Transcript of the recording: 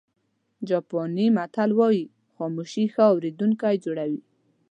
جاپاني متل وایي خاموشي ښه اورېدونکی جوړوي.